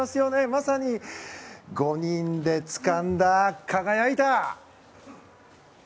まさに５人でつかんだ輝いた！